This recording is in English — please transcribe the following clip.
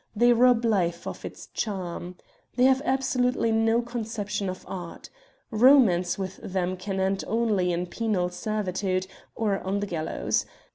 They rob life of its charm. They have absolutely no conception of art. Romance with them can end only in penal servitude or on the gallows.